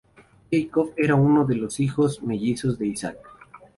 Jacob era uno de los dos hijos mellizos de Isaac.